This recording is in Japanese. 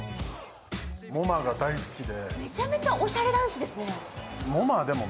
ＭｏＭＡが大好きで。